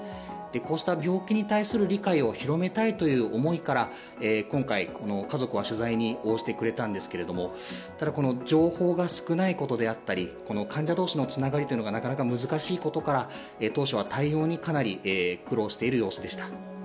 こうした病気に対する理解を広めたいという思いから今回、家族は取材に応じてくれたんですけども情報が少ないことであったり患者同士のつながりというのがなかなか難しいことから当初は対応にかなり苦労している様子でした。